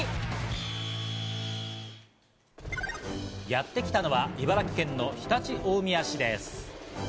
やってきたのは茨城県の常陸大宮市です。